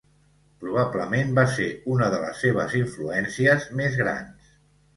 Probablement va ser una de les seves influències més grans.